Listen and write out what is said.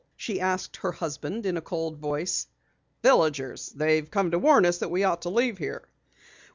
she asked her husband in a cold voice. "Villagers. They've come to warn us that we ought to leave here."